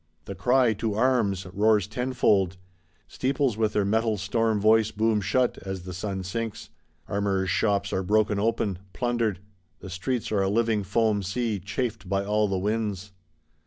The cry, To arms! roars tenfold; steeples with their metal storm voice boom out, as the sun sinks; armorer's shops are broken open, plundered; the streets are a living foam sea, chafed by all the winds.